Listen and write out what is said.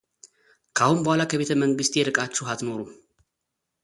ከአሁን በኋላ ከቤተ መንግስቴ ርቃችሁ አትኖሩም፡፡